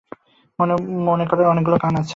মনে করার অনেকগুলি কারণ আছে।